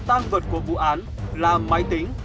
tăng vật của vụ án là máy tính